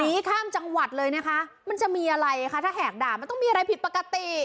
หนีข้ามจังหวัดเลยนะคะมันจะมีอะไรคะถ้าแหกด่ามันต้องมีอะไรผิดปกติ